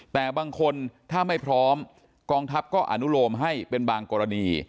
แต่บางคนถ้าไม่พร้อมกองทัพก็อนุโลมให้เป็นบางกรณี